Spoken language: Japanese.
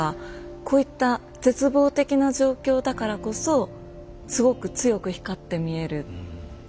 こういった絶望的な状況だからこそすごく強く光って見える。